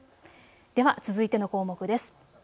では続いての項目です。